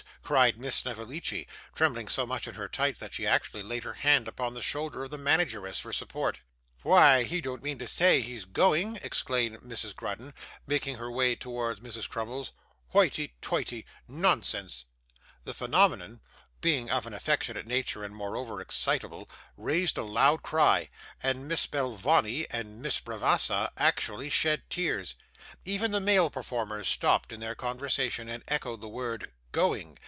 cried Miss Snevellicci, trembling so much in her tights that she actually laid her hand upon the shoulder of the manageress for support. 'Why he don't mean to say he's going!' exclaimed Mrs. Grudden, making her way towards Mrs. Crummles. 'Hoity toity! Nonsense.' The phenomenon, being of an affectionate nature and moreover excitable, raised a loud cry, and Miss Belvawney and Miss Bravassa actually shed tears. Even the male performers stopped in their conversation, and echoed the word 'Going!